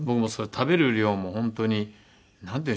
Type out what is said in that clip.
食べる量も本当になんていうんでしょう